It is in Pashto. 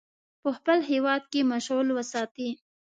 په خپل هیواد کې مشغول وساتي.